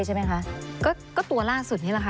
ดูกันด้วย